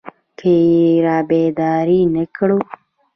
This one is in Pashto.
که يې رابيدارې نه کړو.